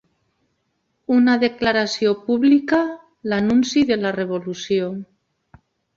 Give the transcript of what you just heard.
Una declaració pública, l'anunci de la revolució.